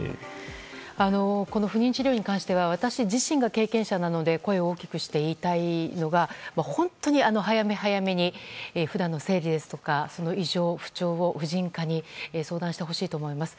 この不妊治療に関しては私自身が経験者なので声を大きくして言いたいのは本当に早め早めに普段の生理ですとか異常、不調を婦人科に相談してもらいたいと思います。